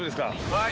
はい。